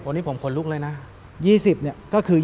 อันนี้ผมขนลุกเลยนะ